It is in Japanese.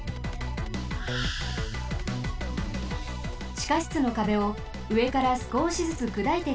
ちかしつのかべをうえからすこしずつくだいてこわします。